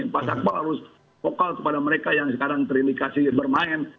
pak sakpol harus vokal kepada mereka yang sekarang terindikasi bermain